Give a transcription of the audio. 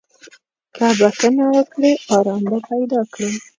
که بخښنه وکړې، ارام به پیدا کړې.